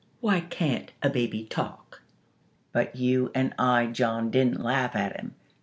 'Why can't a baby talk?' But, you and I, John, didn't laugh at him.